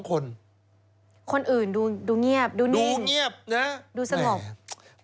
คนคนอื่นดูดูเงียบดูนี่ดูเงียบนะดูสงบ